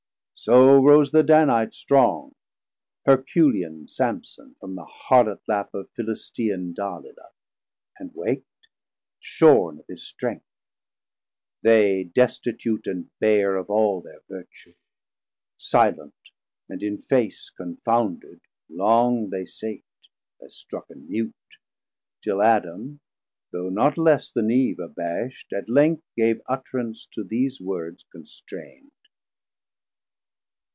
So rose the Danite strong Herculean Samson from the Harlot lap 1060 Of Philistean Dalilah, and wak'd Shorn of his strength, They destitute and bare Of all thir vertue: silent, and in face Confounded long they sate, as struck'n mute, Till Adam, though not less then Eve abasht, At length gave utterance to these words constraind.